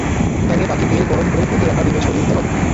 প্যানে বাকি তেল গরম করে ফেটিয়ে রাখা ডিমে ছড়িয়ে দিতে হবে।